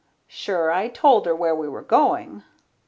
Sure, I told her where we were going.